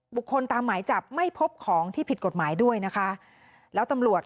ตามหมายจับไม่พบของที่ผิดกฎหมายด้วยนะคะแล้วตำรวจ